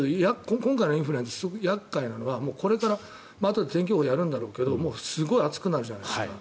今回のインフルが厄介なのはこれからまた天気予報でやるんだろうけどもすごい暑くなるじゃないですか。